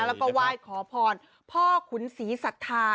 แล้วก็ไหว้ขอพรพ่อขุนศรีสัทธา